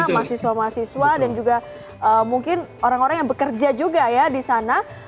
mahasiswa mahasiswa dan juga mungkin orang orang yang bekerja juga ya di sana